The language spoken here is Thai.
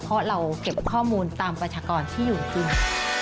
เพราะเราเก็บข้อมูลตามประชากรที่อยู่จริง